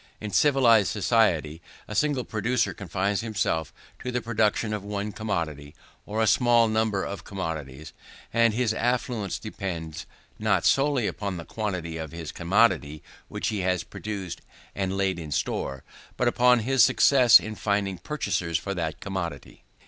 In civilized society, a single producer confines himself to the production of one commodity, or a small number of commodities; and his affluence depends, not solely upon the quantity of his commodity which he has produced and laid in store, but upon his success in finding purchasers for that commodity.